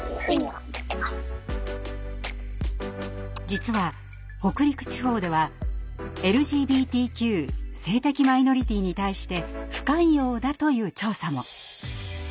実は北陸地方ではＬＧＢＴＱ性的マイノリティに対して不寛容だという調査も。